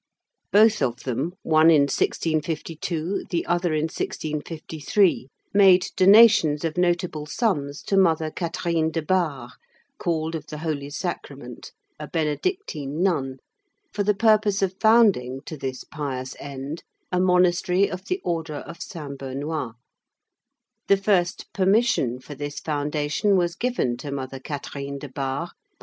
Both of them, one in 1652, the other in 1653, made donations of notable sums to Mother Catherine de Bar, called of the Holy Sacrament, a Benedictine nun, for the purpose of founding, to this pious end, a monastery of the order of Saint Benoît; the first permission for this foundation was given to Mother Catherine de Bar by M.